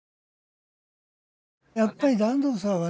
やっぱり團藤さんはね